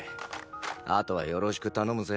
あとはよろしく頼むぜ。